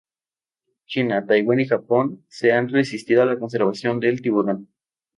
China, Taiwán y Japón se han resistido a la conservación del tiburón.